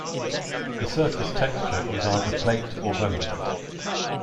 The surface texture is either plate or vellum.